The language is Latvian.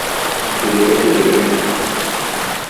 Tu droši zini?